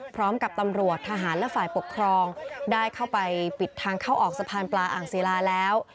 พร้อมกับตำรวจทหารและฝ่ายปกครองได้เข้าไปปิดทางเข้าออกสะพานปลาอ่างศิลาแล้ว